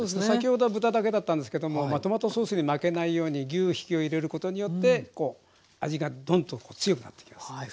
先ほどは豚だけだったんですけどもトマトソースに負けないように牛ひきを入れることによって味がどんと強くなっていきます。